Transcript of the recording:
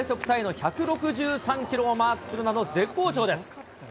タイの１６３キロをマークするなど、絶好調です。